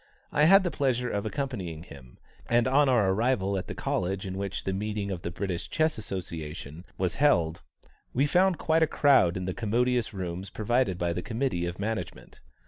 I had the pleasure of accompanying him, and on our arrival at the College in which the meeting of the British Chess Association was held, we found quite a crowd in the commodious rooms provided by the Committee of Management.